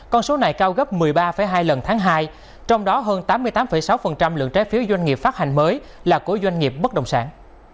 con số này cao gấp một mươi ba hai lần tháng hai trong đó hơn tám mươi tám sáu lượng trái phiếu doanh nghiệp phát hành mới là của doanh nghiệp bất động sản